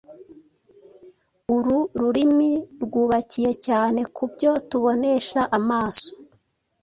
Uru rurimi rwubakiye cyane ku byo tubonesha amaso